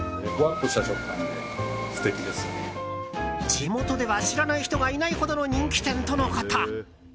地元では知らない人がいないほどの人気店とのこと。